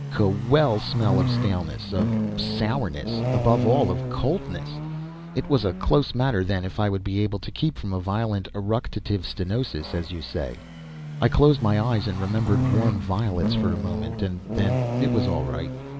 Kwel smell of staleness, of sourness, above all of coldness! It was a close matter then if I would be able to keep from a violent eructative stenosis, as you say. I closed my eyes and remembered warm violets for a moment, and then it was all right.